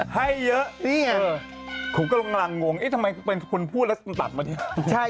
ให้เยอะนี่ไงผมกำลังงงเอ๊ะทำไมคุณพูดแล้วมันตัดมาเนี่ย